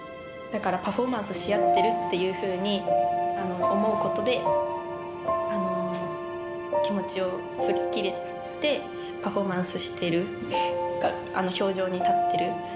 だからパフォーマンスし合ってるっていうふうに思うことで気持ちを吹っ切れてパフォーマンスしてる氷上に立ってる。